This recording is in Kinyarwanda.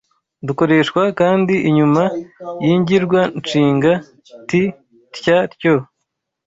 Dukoreshwa kandi inyuma y’ingirwanshinga ti tya tyo